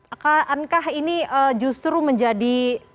akankah ini justru menjadi